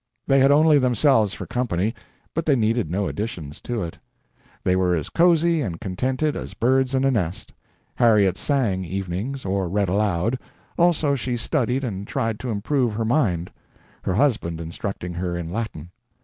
They had only themselves for company, but they needed no additions to it. They were as cozy and contented as birds in a nest. Harriet sang evenings or read aloud; also she studied and tried to improve her mind, her husband instructing her in Latin.